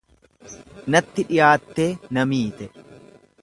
Natti dhiyaattee na miite.